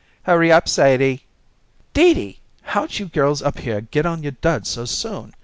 "Hurry up, Sadie." "Dee Dee! How'd you girls up here get on your duds so soon?